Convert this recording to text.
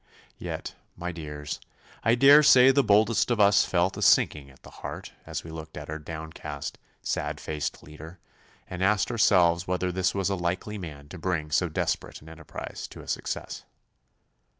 Yet, my dears, I dare say the boldest of us felt a sinking at the heart as we looked at our downcast, sad faced leader, and asked ourselves whether this was a likely man to bring so desperate an enterprise to a success.